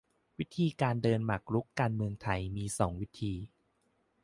วิธีการเดินหมากรุกการเมืองไทยมีสองวิธี